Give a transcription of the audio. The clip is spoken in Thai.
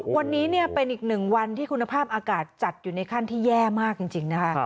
วันนี้เป็นอีกหนึ่งวันที่คุณภาพอากาศจัดอยู่ในขั้นที่แย่มากจริงนะคะ